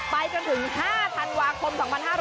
ไปจนถึง๕ธันวาคม๒๕๕๙